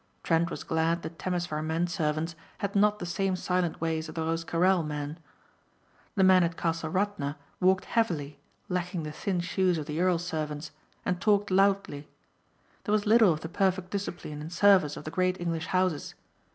Trent was glad the Temesvar men servants had not the same silent ways of the Rosecarrel men. The men at Castle Radna walked heavily, lacking the thin shoes of the earl's servants, and talked loudly. There was little of the perfect discipline and service of the great English houses.